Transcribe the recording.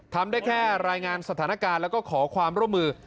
ทำได้แค่รายงานสถานการณ์แล้วก็ขอความร่วมมือ